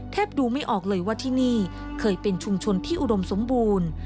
ดูไม่ออกเลยว่าที่นี่เคยเป็นชุมชนที่อุดมสมบูรณ์